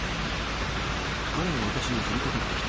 彼が私に飛びかかってきた。